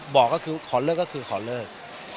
บอกก็คือขอเลิกขอเลิก